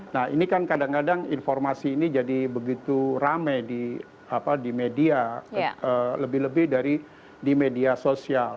nah ini kan kadang kadang informasi ini jadi begitu rame di media lebih lebih dari di media sosial